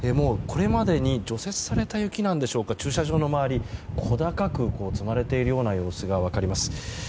これまでに除雪された雪なんでしょうか駐車場の周り、小高く積まれている様子が分かります。